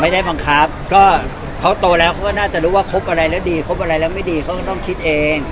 ไม่ได้บังคับก็เขาโตแล้วเขาก็น่าจะรู้ว่าคบอะไรแล้วดีคบอะไรแล้วไม่ดีเขาก็ต้องคิดเอง